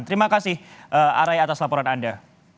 terima kasih ary atas laporan anda